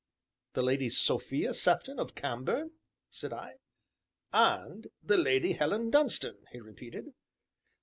"The Lady Sophia Sefton of Cambourne?" said I. "And the Lady Helen Dunstan," he repeated.